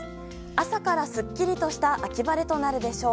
朝からスッキリとした秋晴れとなるでしょう。